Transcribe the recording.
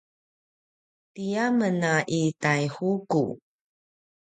tiyamen a i Taihuku